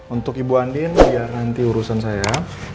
untuk ibu andin biar nanti urusan saya